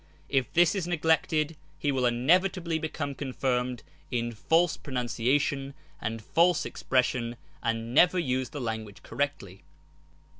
If this is neglected he will inevitably become confirmed in false pronunciation and false expres sion, and never use the language correctly.